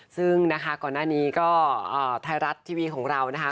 ซึ่งนะคะก่อนหน้านี้ก็ไทยรัฐทีวีของเรานะคะ